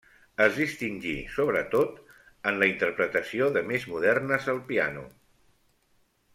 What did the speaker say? Es distingí, sobretot, en la interpretació de més modernes al piano.